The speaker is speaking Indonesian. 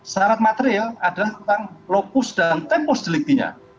syarat materi adalah tentang lopus dan tempus deliktinya